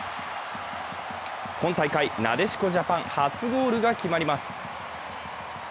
今大会、なでしこジャパン初ゴールが決まります。